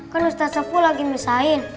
kan ustadz sapu lagi misahin